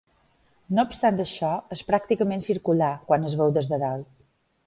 No obstant això, és pràcticament circular quan es veu des de dalt.